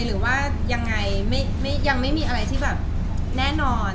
หรือว่ายังไงยังไม่มีอะไรที่แบบแน่นอน